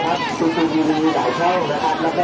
ก็คือตอนท้ายเดี๋ยวจะมาแล้วคุยกับแมงเลย